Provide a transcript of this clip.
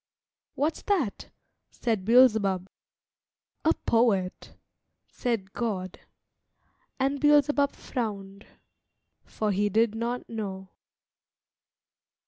"What's that?" said Beelzebub. "A poet," said God. And Beelzebub frowned, for he did not know.